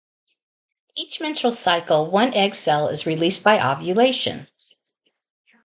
Each menstrual cycle one egg cell is released by ovulation.